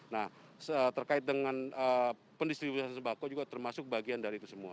nah terkait dengan pendistribusian sembako juga termasuk bagian dari itu semua